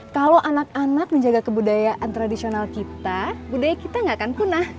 kalau anak anak menjaga kebudayaan tradisional kita budaya kita gak akan punah